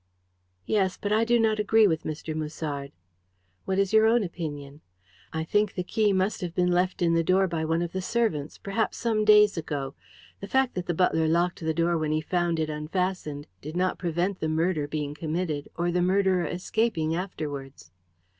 "Yes; but I do not agree with Mr. Musard." "What is your own opinion?" "I think the key must have been left in the door by one of the servants perhaps some days ago. The fact that the butler locked the door when he found it unfastened did not prevent the murder being committed, or the murderer escaping afterwards."